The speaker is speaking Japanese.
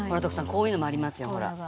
こういうのもありますよほら。